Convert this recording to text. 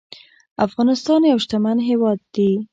افغانستان يو شتمن هيواد دي